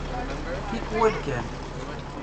Tikwal kan.